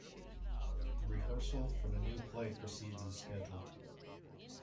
The rehearsal for the new play proceeds as scheduled.